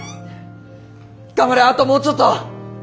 頑張れあともうちょっと！